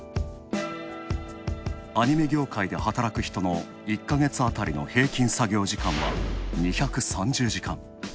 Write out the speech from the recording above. アニメ業界で働く人の１か月あたりの平均作業時間は２３０時間。